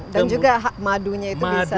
dan juga madunya itu bisa dijual